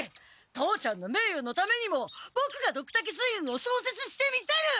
父ちゃんのめいよのためにもボクがドクタケ水軍をそうせつしてみせる！